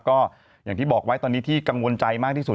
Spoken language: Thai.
ก็อย่างที่บอกไว้ตอนนี้ที่กังวลใจมากที่สุด